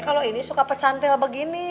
kalau ini suka pecantil begini